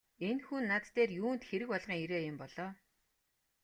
Энэ хүн над дээр юунд хэрэг болгон ирээ юм бол оо!